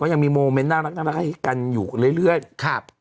เขายังมีโมเมนต์น่ารักให้กันอยู่เรื่อย